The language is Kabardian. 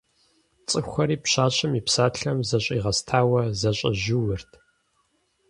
ЦӀыхухэри пщащэм и псалъэм зэщӀигъэстауэ, зэщӀэжьууэрт.